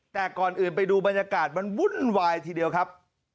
แต่ก่อนอื่นไปดูบรรยากาศมันวุ่นวายทีเดียวครับ